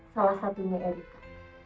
salah satunya erika